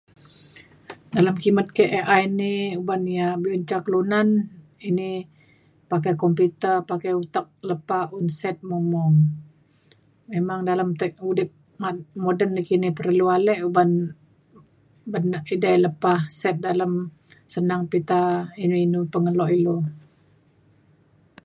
dalem kimet ke AI ni uban ia’ be’un ca kelunan ini pakai computer pakai utek lepa un set mung mung. memang dalem te- udip ma- moden nakini perlu ale uban ban na ida lepa set dalem senang pita iri inu pengelo ilu